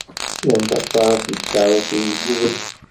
Llant aṭas n tkeṛṛusin deg webrid?